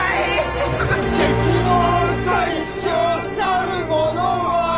「敵の大将たるものは」